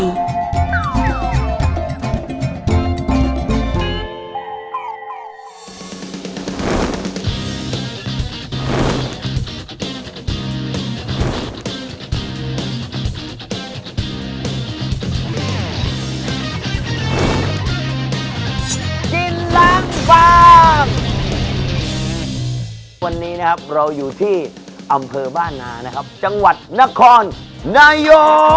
วันนี้นะครับเราอยู่ที่อำเภอบ้านนานะครับจังหวัดนครนายก